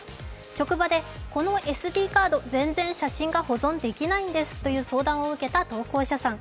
職場でこのＳＤカード、全然保存できないんですと相談を受けた投稿者さん。